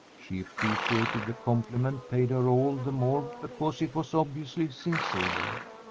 She appreciated the compliment paid her all the more because it was obviously sincere.